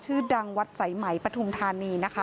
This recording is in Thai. ชื่อดังวัดสายไหมปฐุมธานีนะคะ